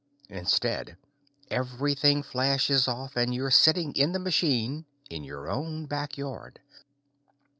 Instead, everything flashes off and you're sitting in the machine in your own back yard.